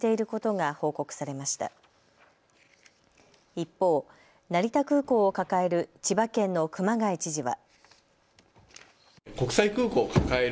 一方、成田空港を抱える千葉県の熊谷知事は。